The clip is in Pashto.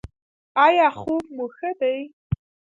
ایا خوب مو ښه دی؟